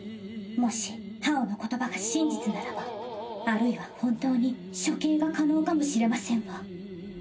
もしハオの言葉が真実ならばあるいは本当に処刑が可能かもしれませんわ。